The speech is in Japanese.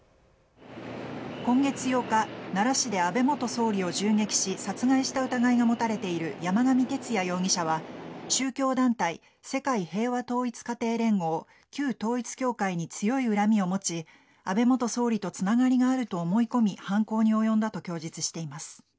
今月８日奈良市で安倍元総理を銃撃し殺害した疑いが持たれている山上徹也容疑者は宗教団体世界平和統一家庭連合旧統一教会に強い恨みを持ち安倍元総理とつながりがあると思い込み、犯行に及んだと供述しています。